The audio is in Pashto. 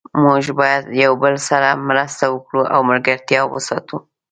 موږ باید یو بل سره مرسته وکړو او ملګرتیا وساتو